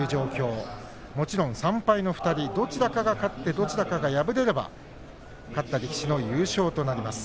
もちろん３敗の２人どちらかが勝ってどちらかが敗れれば勝った力士の優勝となります。